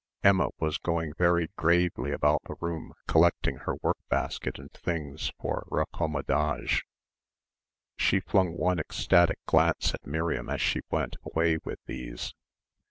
Emma was going very gravely about the room collecting her work basket and things for raccommodage. She flung one ecstatic glance at Miriam as she went away with these.